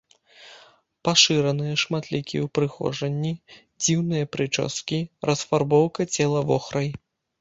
Пашыраныя шматлікія ўпрыгожанні, дзіўныя прычоскі, расфарбоўка цела вохрай.